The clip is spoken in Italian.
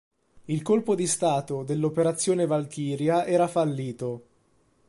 Il colpo di stato dell'"Operazione Valchiria" era fallito.